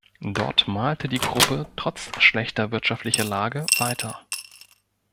Dort malte die Gruppe trotz schlechter wirtschaftlicher Lage weiter.